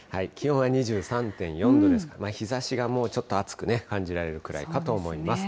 気温は２３．４度ですから、日ざしがもうちょっと暑く感じられるくらいかと思います。